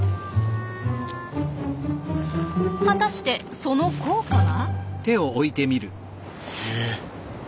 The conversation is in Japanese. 果たしてその効果は？